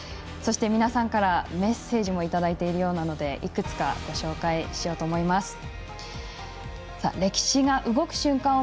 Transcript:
そして、皆さんからメッセージもいただいているようなのでいくつかご紹介しようと思います。